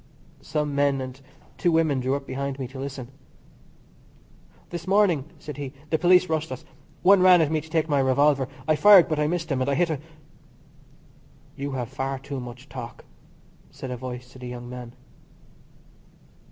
(Some men and two women drew behind me to listen). "This morning," said he, "the police rushed us. One ran at me to take my revolver. I fired but I missed him, and I hit a " "You have far too much talk," said a voice to the young man.